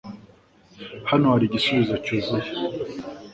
Hano hari igisubizo cyuzuye